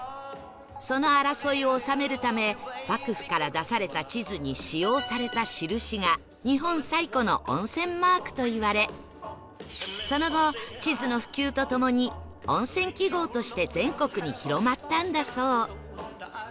その争いをおさめるため幕府から出された地図に使用された印が日本最古の温泉マークといわれその後地図の普及とともに温泉記号として全国に広まったんだそう